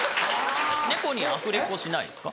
猫にアフレコしないですか？